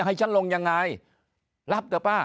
ให้ฉันลงยังไงรับเถอะป้า